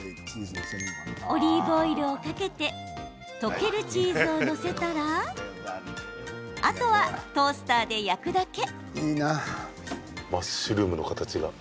オリーブオイルをかけて溶けるチーズを載せたらあとは、トースターで焼くだけ。